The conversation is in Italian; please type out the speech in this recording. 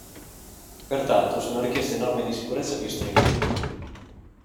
Pertanto, sono richieste norme di sicurezza più stringenti.